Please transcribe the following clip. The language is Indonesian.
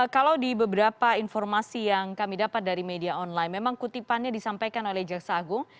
kalau di beberapa informasi yang kami dapat dari media online memang kutipannya disampaikan oleh jaksa agung